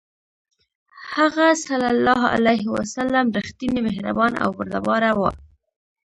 هغه ﷺ رښتینی، مهربان او بردباره و.